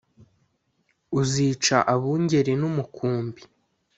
uzica abungeri n`umukumbi.”